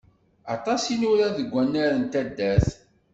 Aṭas i nurar deg wannar n taddart.